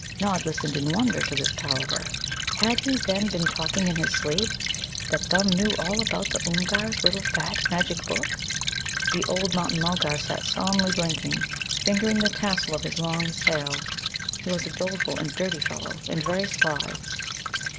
Nod listened in wonder to this palaver. Had he, then, been talking in his sleep, that Thumb knew all about the Oomgar's little fat magic book? The old Mountain mulgar sat solemnly blinking, fingering the tassel of his long tail. He was a doleful and dirty fellow, and very sly.